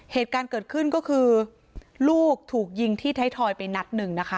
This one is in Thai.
เหตุการณ์เกิดขึ้นก็คือลูกถูกยิงที่ไทยทอยไปนัดหนึ่งนะคะ